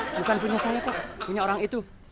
bukan punya saya pak punya orang itu